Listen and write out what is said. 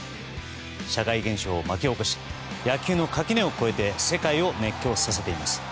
社会現象を巻き起こし野球の垣根を越えて世界を熱狂させています。